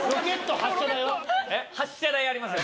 「発射台」ありますよ。